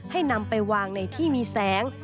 นำไปวางในที่มีแสง